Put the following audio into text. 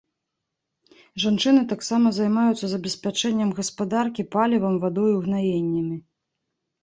Жанчыны таксама займаюцца забеспячэннем гаспадаркі палівам, вадой, угнаеннямі.